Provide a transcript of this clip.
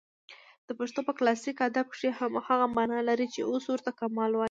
د پښتو په کلاسیک ادب کښي هماغه مانا لري، چي اوس ورته کمال وايي.